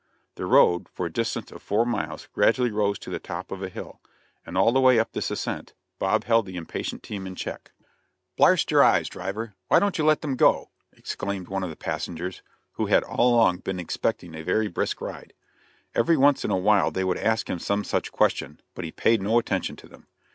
The road, for a distance of four miles, gradually rose to the top of a hill, and all the way up this ascent, Bob held the impatient team in check. "Blarst your heyes, driver, why don't you let them go?" exclaimed one of the passengers, who had all along been expecting a very brisk ride. Every once in a while they would ask him some such question, but he paid no attention to them.